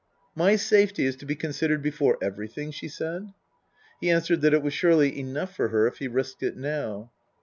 " My safety is to be considered before everything ?" she said. He answered that it was surely enough for her if he risked it now.